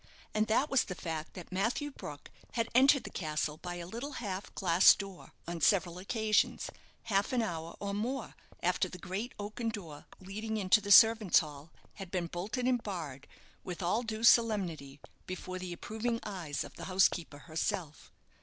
And that was the fact that Matthew Brook had entered the castle by a little half glass door on several occasions, half an hour or more after the great oaken door leading into the servants' hall had been bolted and barred with all due solemnity before the approving eyes of the housekeeper herself.